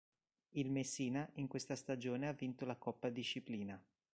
Il Messina in questa stagione ha vinto la Coppa Disciplina.